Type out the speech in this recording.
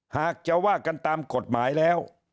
หากจะว่ากันตามกฎหมายแล้ว